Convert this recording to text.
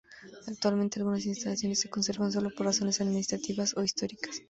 Actualmente algunas instalaciones se conservan solo por razones administrativas o históricas.